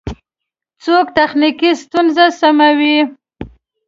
څوک تخنیکی ستونزی سموي؟